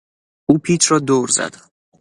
او پیچ را دور زد.